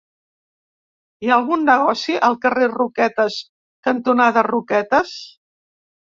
Hi ha algun negoci al carrer Roquetes cantonada Roquetes?